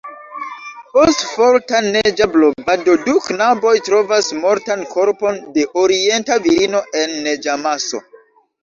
Post forta neĝa blovado, du knaboj trovas mortan korpon de orienta virino en neĝamaso.